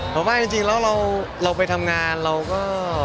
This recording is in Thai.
ผมว่าจริงแล้วเราไปทำงานเราก็